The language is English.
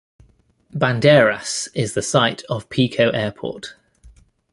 Bandeiras is the site of Pico Airport.